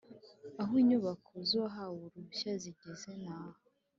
aho inyubako z uwahawe uruhushya zigeze naha